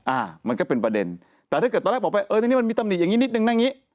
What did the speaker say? อ่ามันก็เป็นประเด็นแต่ถ้าเกิดตอนแรกบอกไปเออในนี้มันมีตำหนิอย่างนี้นิดนึงนะอย่างงี้